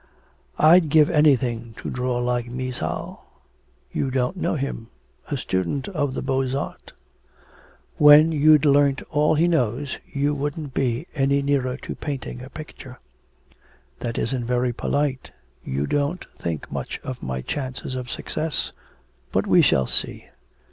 'I'd give anything to draw like Misal. You don't know him a student of the Beaux Arts.' 'When you'd learnt all he knows, you wouldn't be any nearer to painting a picture.' 'That isn't very polite. You don't think much of my chances of success.... But we shall see.'